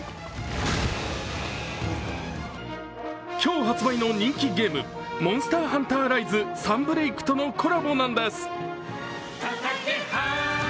今日発売の人気ゲーム、「モンスターハンターライズ：サンブレイク」とのコラボなんです。